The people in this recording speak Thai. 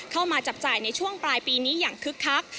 เข้ามาจับจ่ายในช่วงปลายปีนี้อย่างคึกคัก